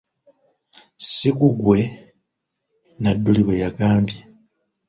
Ssi gugwe? Nadduli bwe yagambye.